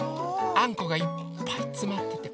あんこがいっぱいつまってておもいんです。